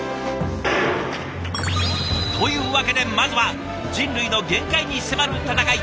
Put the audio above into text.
というわけでまずは人類の限界に迫る戦い